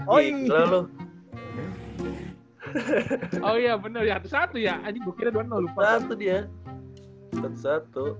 oh iya bener ya